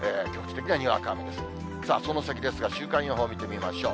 ではその先ですが、週間予報見てみましょう。